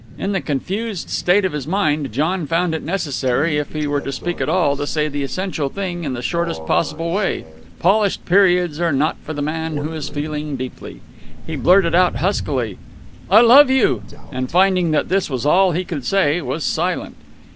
In the confused state of his mind, John found it necessary if he were to speak at all, to say the essential thing in the shortest possible way. Polished periods are not for the man who is feeling deeply. He blurted out, huskily, "I love you!" and finding that this was all that he could say, was silent.